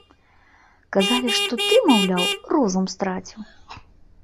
Казалі, што ты, маўляў, розум страціў.